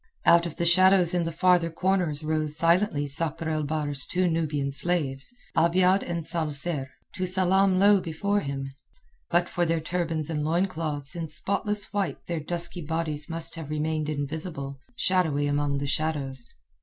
Out of the shadows in the farther corners rose silently Sakr el Bahr's two Nubian slaves, Abiad and Zal Zer, to salaam low before him. But for their turbans and loincloths in spotless white their dusky bodies must have remained invisible, shadowy among the shadows.